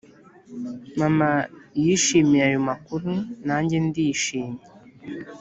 mama yishimiye ayo makuru, nanjye ndishimye